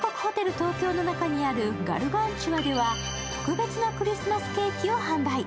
東京の中にあるガルガンチュワでは特別なクリスマスケーキを販売。